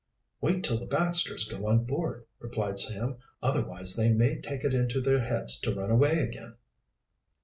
"Wait till the Baxters go on board," replied Sam. "Otherwise they may take it into their heads to run away again."